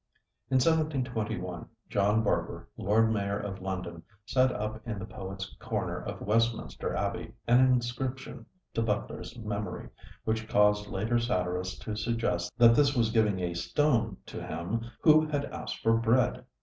In 1721 John Barber, Lord Mayor of London, set up in the Poet's Corner of Westminster Abbey an inscription to Butler's memory, which caused later satirists to suggest that this was giving a stone to him who had asked for bread.